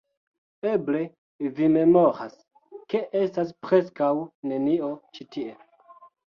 Eble, vi memoras, ke estas preskaŭ nenio ĉi tie